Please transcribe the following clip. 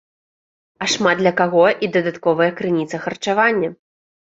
А шмат для каго і дадатковая крыніца харчавання.